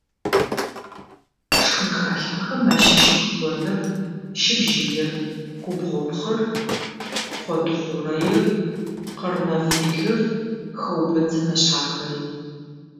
Шхынхалъхьэхэм ащыщых къоныр, щыбжьыир, губгъопхъыр, къонтхъурэир, къэрмэфилыр, хэубэн зэфэшъхьафхэри.